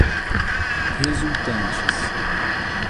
resultantes